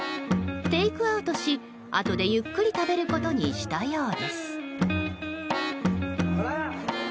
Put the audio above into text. テイクアウトし、あとでゆっくり食べることにしたようです。